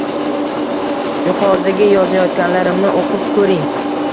Yuqoridagi yozayotganlarimni o’qib ko‘ring.